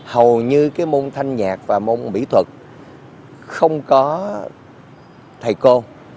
hầu như cái môn thanh nhạc và môn mỹ thuật không có thầy cô